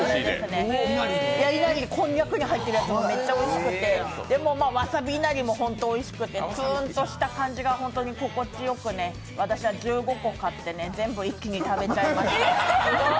こんにゃくが入ってるやつ、本当においしくて、わさびいなりも本当においしくてツーンとした感じが心地よく私は１５個買って全部一気に食べちゃいました。